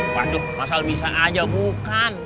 waduh mas al bisa aja bukan